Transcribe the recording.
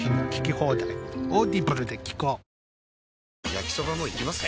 焼きソバもいきます？